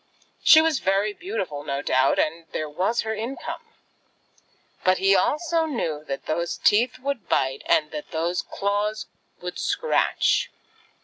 She was very beautiful no doubt, and there was her income; but he also knew that those teeth would bite and that those claws would scratch.